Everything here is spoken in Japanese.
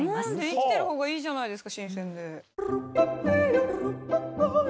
生きてるほうがいいじゃないですか新鮮で。